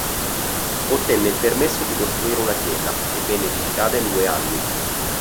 Ottenne il permesso di costruire una chiesa, che venne edificata in due anni.